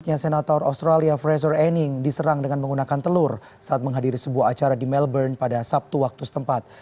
yang senator australia fraser anning diserang dengan menggunakan telur saat menghadiri sebuah acara di melbourne pada sabtu waktu setempat